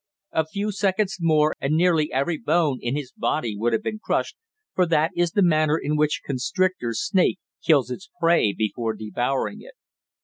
A few seconds more and nearly every bone in his body would have been crushed, for that is the manner in which a constrictor snake kills its prey before devouring it.